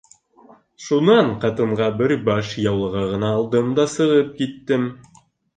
Шунан ҡатынға бер баш яулығы ғына алдым да сығып киттем.